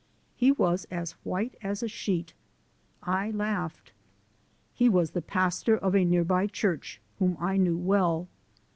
He was as white as a sheet. I laughed. He was the pastor of a nearby church, whom I knew well.